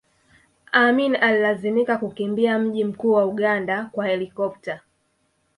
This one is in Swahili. Amin alilazimika kukimbia mji mkuu wa Uganda kwa helikopta